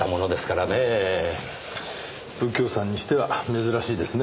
右京さんにしては珍しいですね。